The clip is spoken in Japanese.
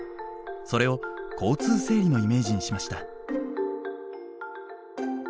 それを交通整理のイメージにしました。